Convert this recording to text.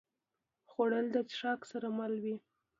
خوړل د څښاک سره مل وي